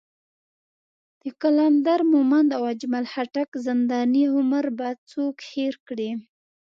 د قلندر مومند او اجمل خټک زنداني عمر به څوک هېر کړي.